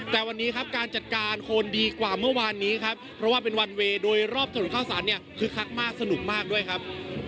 แต่วันนี้ครับการจัดการโคนดีกว่าเมื่อวานนี้ครับเพราะว่าเป็นวันเวย์โดยรอบถนนข้าวสารเนี่ยคึกคักมากสนุกมากด้วยครับ